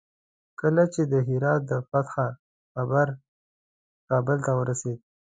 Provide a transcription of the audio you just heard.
کله چې د هرات د فتح خبر کابل ته ورسېد.